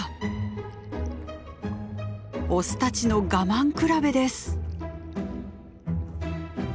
オスたちの我慢比べです。